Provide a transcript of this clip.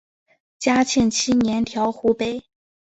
嘉庆七年调湖北。